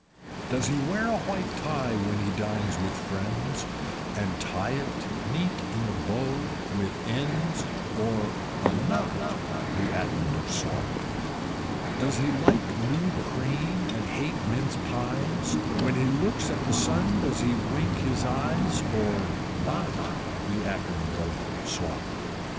Does he wear a white tie when he dines with friends, And tie it neat in a bow with ends, or a KNOT, The Akond of Swat? Does he like new cream, and hate mince pies? When he looks at the sun does he wink his eyes, or NOT, The Akond of Swat?